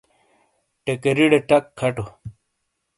ٹیکرِیڑے ٹَک کھَٹو۔